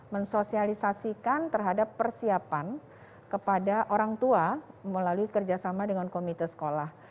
mensosialisasikan terhadap persiapan kepada orang tua melalui kerjasama dengan komite sekolah